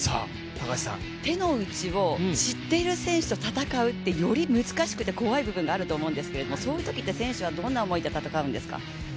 手の内を知っている選手と戦うって、より難しくて怖い部分があると思うんですけどそういうときって選手はどんな思いで戦うんですか？